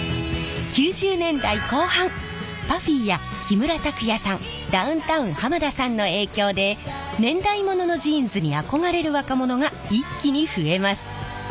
９０年代後半ＰＵＦＦＹや木村拓哉さんダウンタウン浜田さんの影響で年代物のジーンズに憧れる若者が一気に増えます。